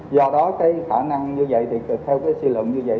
do đó cái khả năng như vậy thì theo cái suy lận như vậy